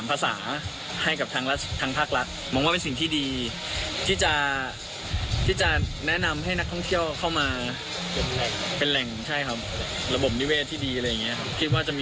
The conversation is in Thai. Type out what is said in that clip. ในบ้านเรา